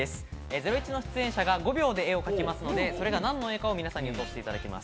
『ゼロイチ』の出演者が５秒で絵を描くので、それが何の絵かを予想していただきます。